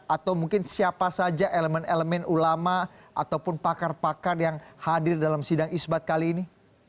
atau mungkin siapa saja elemen elemen ulama ataupun pakar pakar yang hadir dalam sidang isbat kali ini